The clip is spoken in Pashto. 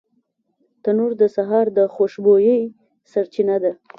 تنور د سهار د خوشبویۍ سرچینه ده